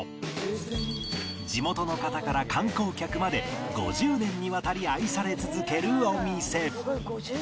地元の方から観光客まで５０年にわたり愛され続けるお店